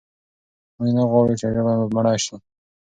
موږ نه غواړو چې ژبه مو مړه شي.